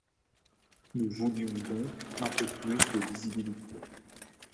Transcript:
Nous voulions donc un peu plus de lisibilité.